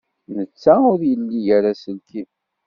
Netta ur ili ara aselkim.